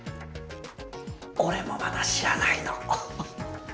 俺もまだ知らないの。